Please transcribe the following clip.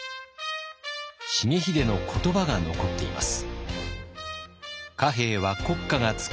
重秀の言葉が残っています。